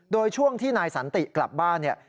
โดยช่วงที่นายสันติกลับบ้านเนี่ย